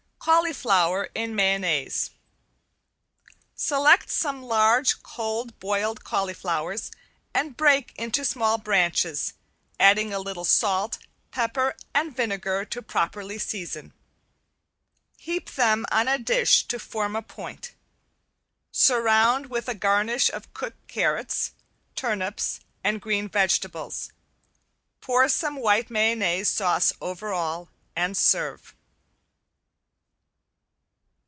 ~CAULIFLOWER IN MAYONNAISE~ Select some large, cold boiled cauliflowers and break into small branches, adding a little salt, pepper and vinegar to properly season. Heap them on a dish to form a point. Surround with a garnish of cooked carrots, turnips and green vegetables, pour some white mayonnaise sauce over all, and serve.